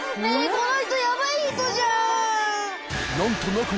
この人ヤバイ人じゃん。